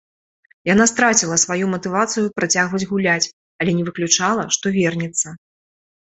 Яна страціла сваю матывацыю працягваць гуляць, але не выключала, што вернецца.